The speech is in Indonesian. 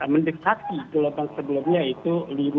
mendekati gelombang sebelumnya itu